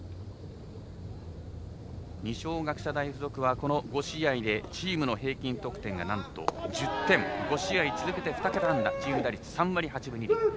二松学舎大付属はこの５試合でチームの平均得点がなんと１０点５試合続けて２桁安打１０３割８分２厘。